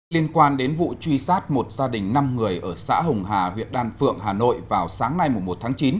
liên quan đến vụ truy sát một gia đình năm người ở xã hồng hà huyện đan phượng hà nội vào sáng nay một tháng chín